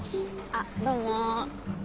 あどうも。